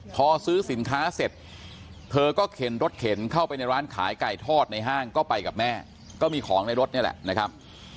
พอซื้อสินค้าเสร็จเธอก็เข็นรถเข็นเข้าไปในร้านขายไก่ทอดในห้างก็ไปกับแม่ก็มีของในรถนี่แหละนะครับ